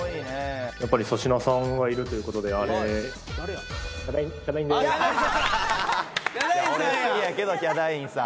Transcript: やっぱり粗品さんがいるということでヒャダインさんや！